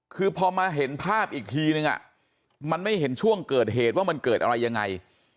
คือพอมาเห็นภาพอีกทีนึงมันไม่เห็นช่วงเกิดเหตุว่ามันเกิดอะไรยังไง